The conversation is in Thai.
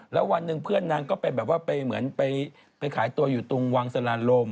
แล้ววันหนึ่งเพื่อนนางก็ไปแบบว่าไปเหมือนไปขายตัวอยู่ตรงวังสลานลม